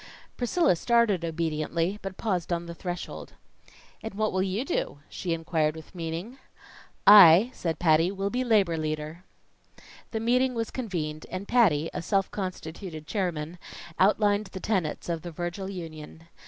Priscilla started obediently, but paused on the threshold. "And what will you do?" she inquired with meaning. "I," said Patty, "will be labor leader." The meeting was convened, and Patty, a self constituted chairman, outlined the tenets of the Virgil Union.